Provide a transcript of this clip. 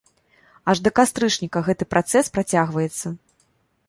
Аж да кастрычніка гэты працэс працягваецца.